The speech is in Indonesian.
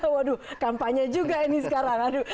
waduh kampanye juga ini sekarang aduh